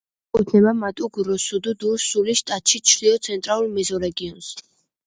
მიეკუთვნება მატუ-გროსუ-დუ-სულის შტატის ჩრდილო-ცენტრალურ მეზორეგიონს.